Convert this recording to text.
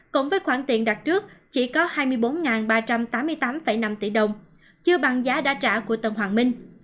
cũng với khoản tiền đặt trước chỉ có hai mươi bốn ba trăm tám mươi tám năm tỷ đồng chưa bằng giá đã trả của tân hoàng minh